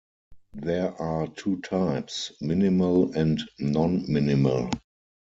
There are two types: minimal and non-minimal.